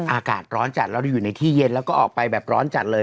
อากาศร้อนจัดแล้วอยู่ในที่เย็นแล้วก็ออกไปแบบร้อนจัดเลย